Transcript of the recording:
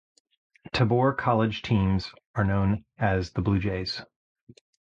Tabor College teams are known as the Bluejays.